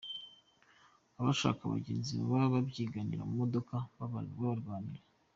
Abashaka abagenzi baba babyiganira ku modoka babarwanira.